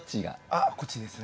あっこっちですね。